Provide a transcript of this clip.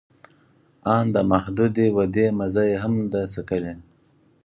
آن د محدودې ودې مزه یې هم نه ده څکلې